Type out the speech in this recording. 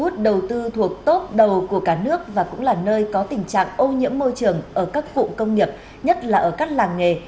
hương yên là địa phương thu hút đầu tư thuộc tốt đầu của cả nước và cũng là nơi có tình trạng ô nhiễm môi trường ở các phụ công nghiệp nhất là ở các làng nghề